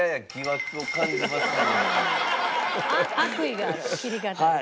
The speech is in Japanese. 悪意がある切り方に。